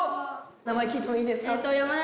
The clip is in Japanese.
名前聞いてもいいですか？